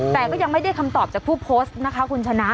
แต่ก็ยังไม่ได้คำตอบจากผู้โพสต์นะคะคุณชนะ